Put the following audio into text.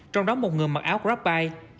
trong đó một người mặc áo grabbike